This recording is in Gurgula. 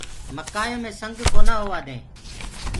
مڪآيو مي سنگ ڪونآ هوآ دينٚ۔